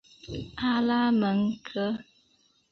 阿拉门戈。